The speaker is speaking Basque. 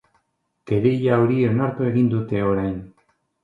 Kereila hori onartu egin dute orain.